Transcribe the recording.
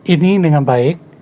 ini dengan baik